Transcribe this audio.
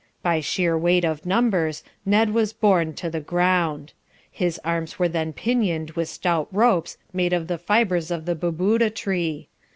By sheer weight of numbers, Ned was borne to the ground. His arms were then pinioned with stout ropes made of the fibres of the boobooda tree.